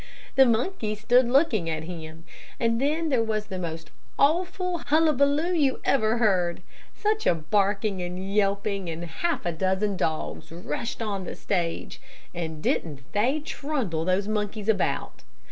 "The monkeys stood looking at him, and then there was the most awful hullabaloo you ever heard. Such a barking and yelping, and half a dozen dogs rushed on the stage, and didn't they trundle those monkeys about.